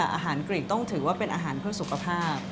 อาหารกรีดต้องถือว่าเป็นอาหารเพื่อสุขภาพ